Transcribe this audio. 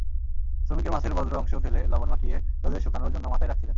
শ্রমিকেরা মাছের বর্জ্য অংশ ফেলে, লবণ মাখিয়ে রোদে শুকানোর জন্য মাচায় রাখছিলেন।